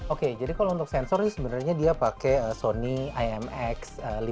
oke jadi kalau untuk sensor ini sebenarnya dia pakai sony imx lima ratus delapan puluh enam